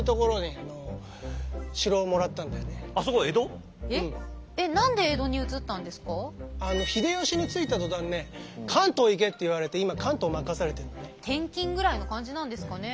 あの秀吉についた途端ね関東行けって言われて今関東任されてるのね。